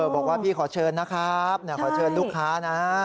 บอกว่าพี่ขอเชิญนะครับขอเชิญลูกค้านะ